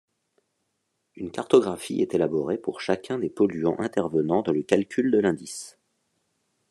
Une cartographie est élaborée pour chacun des polluants intervenant dans le calcul de l'indice.